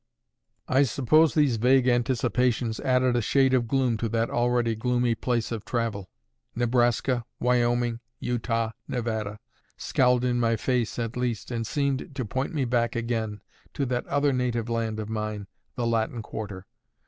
I suppose these vague anticipations added a shade of gloom to that already gloomy place of travel: Nebraska, Wyoming, Utah, Nevada, scowled in my face at least, and seemed to point me back again to that other native land of mine, the Latin Quarter.